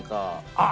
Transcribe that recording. あっ！